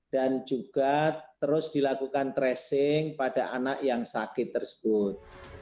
dan juga terus dilakukan tracing pada anak yang sakit tersebut